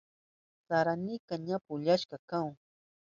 Saraynika ña pukushka kahun.